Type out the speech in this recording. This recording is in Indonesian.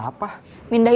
cuma satu satunya ki